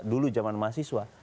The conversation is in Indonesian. dulu jaman mahasiswa